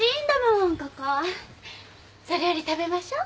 それより食べましょ。